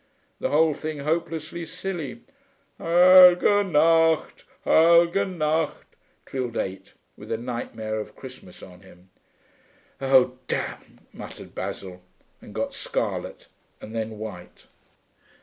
The whole thing hopelessly silly.... 'Heil'ge Nacht, Heil'ge Nacht,' trilled Eight, with a nightmare of Christmas on him. 'Oh, damn,' muttered Basil, and got scarlet and then white.